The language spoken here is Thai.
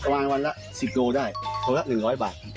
ประมาณวันละ๑๐โลได้ส่วนละ๑๐๐บาท